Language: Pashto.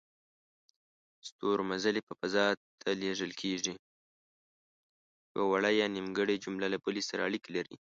یوه وړه یا نیمګړې جمله له بلې سره اړیکې لري.